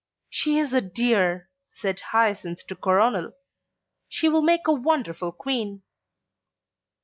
"She is a dear," said Hyacinth to Coronel. "She will make a wonderful Queen."